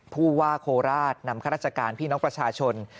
ผู้ว่าโคราชนำข้าราชการพี่น้องประชาชน